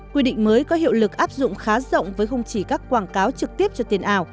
quy định mới có hiệu lực áp dụng khá rộng với không chỉ các quảng cáo trực tiếp cho tiền ảo